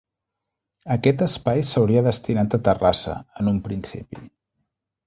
Aquest espai s'hauria destinat a terrassa, en un principi.